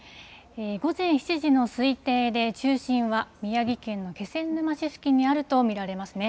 午前７時の推定で、中心は宮城県の気仙沼市付近にあると見られますね。